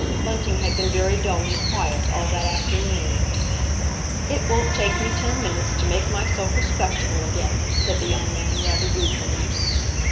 Bunting had been very dull and quiet all that afternoon. "It won't take me ten minutes to make myself respectable again," said the young man rather ruefully.